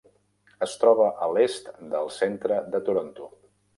Es troba a l'est del centre de Toronto.